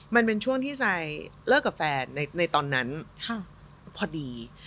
มันเป็นช่วงที่ซายเลิกกับแฟนในตอนนั้นพอดี